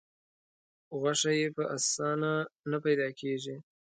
غوښه یې په اسانه نه پیدا کېږي.